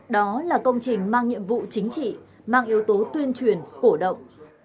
đó là công trình mang nhiệm vụ chính trị mang yếu tố tuyên truyền cổ động